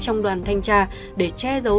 trong đoàn thanh tra để che giấu